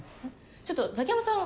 ちょっとザキヤマさん